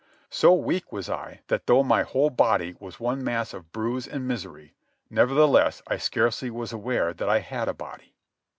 So weak was I that though my whole body was one mass of bruise and misery, nevertheless I scarcely was aware that I had a body.